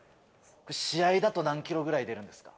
試合だと何キロぐらい出るんですか？